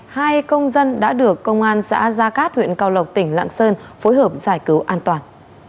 hai công dân đã được công an xã gia cát huyện cao lộc tỉnh lạng sơn phối hợp giải cứu an toàn